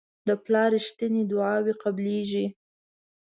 د پلار رښتیني دعاوې قبلیږي.